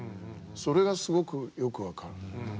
それがすごくよく分かる。